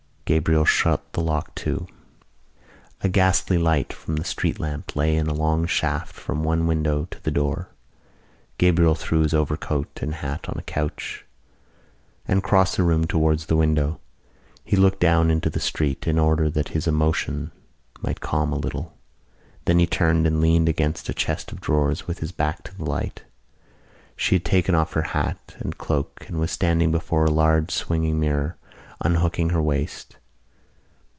Gabriel shot the lock to. A ghostly light from the street lamp lay in a long shaft from one window to the door. Gabriel threw his overcoat and hat on a couch and crossed the room towards the window. He looked down into the street in order that his emotion might calm a little. Then he turned and leaned against a chest of drawers with his back to the light. She had taken off her hat and cloak and was standing before a large swinging mirror, unhooking her waist.